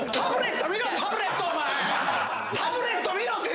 タブレット見ろ